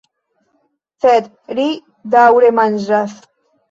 Sed ri daŭre manĝas.